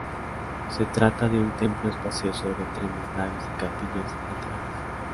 Se trata de un templo espacioso de tres naves y capillas laterales.